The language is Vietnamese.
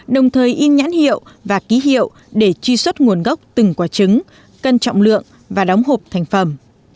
đồng thời in nhãn hiệu và ký hiệu để truy xuất nguồn gốc từng quả trứng cân trọng lượng và đóng hộp thành phẩm